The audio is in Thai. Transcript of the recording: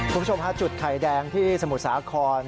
คุณผู้ชมฮะจุดไข่แดงที่สมุทรสาคร